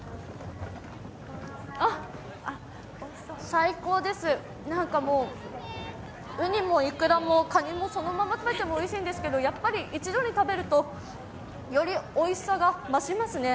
あっ、最高です、なんかもうウニもイクラもカニもそのまま食べてもおいしいんですが、やっぱり一度に食べるとよりおいしさが増しますね。